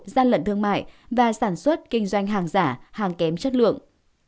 gian lận thương mại và sản xuất kinh doanh hàng giả hàng kém chất lượng